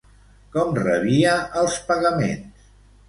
Com rebia els pagaments?